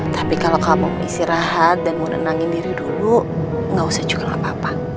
tapi kalau kamu isi rahat dan mau renangin diri dulu gak usah cukup ngapa apa